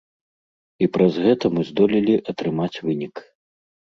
І праз гэта мы здолелі атрымаць вынік.